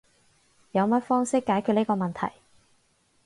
有乜方式解決呢個問題？